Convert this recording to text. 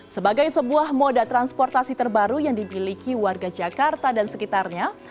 sebagai sebuah moda transportasi terbaru yang dimiliki warga jakarta dan sekitarnya